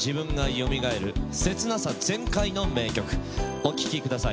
お聴きください。